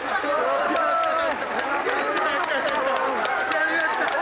やりました！